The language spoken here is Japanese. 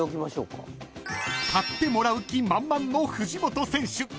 ［買ってもらう気満々の藤本選手］